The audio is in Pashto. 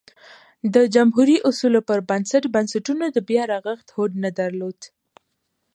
د جمهوري اصولو پر بنسټ بنسټونو د بیا رغښت هوډ نه درلود